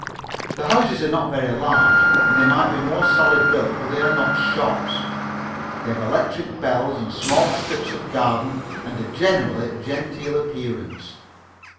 The houses are not very large, and they might be more solidly built, but they are not shops. They have electric bells, and small strips of garden, and a generally genteel appearance.